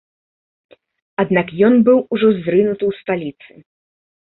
Аднак ён быў ужо зрынуты ў сталіцы.